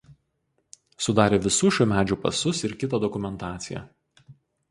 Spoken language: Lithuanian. Sudarė visų šių medžių pasus ir kitą dokumentaciją.